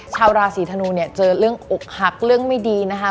ชาวราศีธนูเนี่ยเจอเรื่องอกหักเรื่องไม่ดีนะคะ